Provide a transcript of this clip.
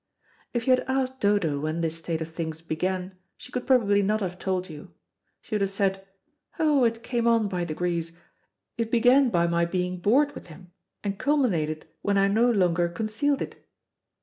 If you had asked Dodo when this state of things began she could probably not have told you. She would have said, "Oh, it came on by degrees. It began by my being bored with him, and culminated when I no longer concealed it."